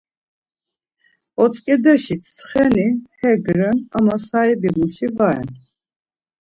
Otzǩedeşi tsxeni hek ren ama sahibimuşi va ren.